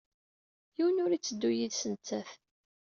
Yiwen ur yetteddu yid-s nettat.